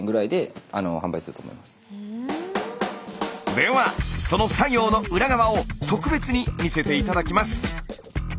ではその作業の裏側を特別に見せて頂きます。